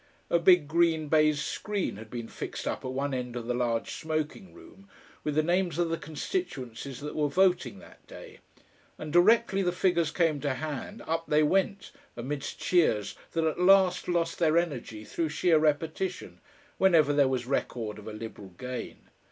A big green baize screen had been fixed up at one end of the large smoking room with the names of the constituencies that were voting that day, and directly the figures came to hand, up they went, amidst cheers that at last lost their energy through sheer repetition, whenever there was record of a Liberal gain.